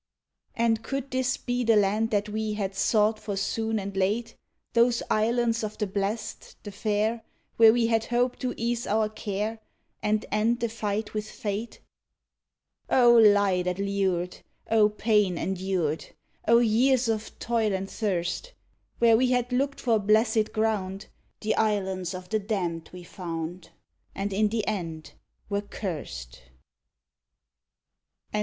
And could this be the land that we Had sought for soon and late? Those Islands of the Blest, the fair, Where we had hoped to ease our care And end the fight with fate? O lie that lured! O pain endured! O years of toil and thirst! Where we had looked for blesséd ground The Islands of the Damned we found, And in the end were curst! A. D.